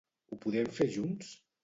Ho podem fer junts?